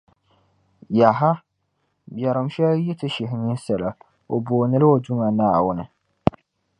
Yaha! Biɛrim shεli yi ti shihi ninsala, o boondila o Duuma Naawuni.